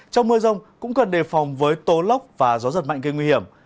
trong mưa rông cũng cần đề phòng với tố lốc và gió giật mạnh gây nguy hiểm